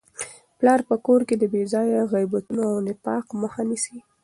پلار په کور کي د بې ځایه غیبتونو او نفاق مخه نیسي.